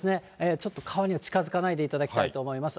ちょっと川には近づかないでいただきたいと思います。